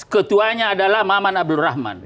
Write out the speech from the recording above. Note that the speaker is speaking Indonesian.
ketuanya adalah maman abdul rahman